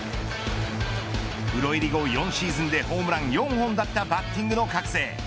プロ入り後４シーズンでホームラン４本だったバッティングの覚醒。